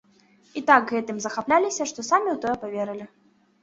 І так гэтым захапляліся, што самі ў тое паверылі.